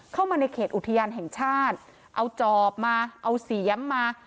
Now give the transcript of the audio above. เข้ามาในเขตอุทยานแห่งชาติเอาจอบมาเอาเสียมมา